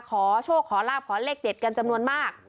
ขอโชคขอลาบขอเลขเด็ดกันจำนวนมาก